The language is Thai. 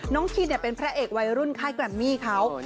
น้องคินเนี่ยเป็นแพร่เอกวัยรุ่นค่ายกรัมมี่เขา